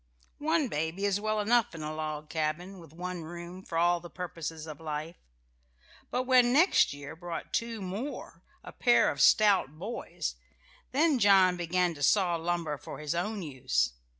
One baby is well enough in a log cabin, with one room for all the purposes of life; but when next year brought two more, a pair of stout boys, then John began to saw lumber for his own use.